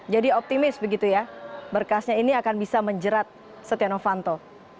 jadi optimis begitu ya berkasnya ini akan bisa menjerat setia novanto